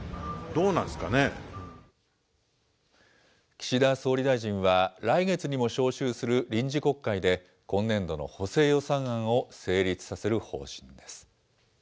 岸田総理大臣は来月にも召集する臨時国会で、今年度の補正予算案を成立させる方針です。